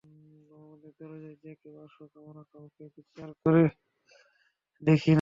আমাদের দরজায় যে কেউ আসুক, আমরা কাউকে বিচার করে দেখি না।